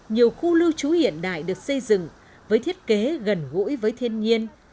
nhiều khu lưu trú hiện đại được xây dựng với thiết kế gần gũi với thiên nhiên